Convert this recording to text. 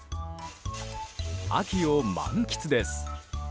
秋を満喫です。